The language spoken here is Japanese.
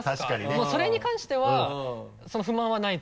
もうそれに関しては不満はないというか。